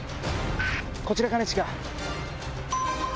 こちら兼近。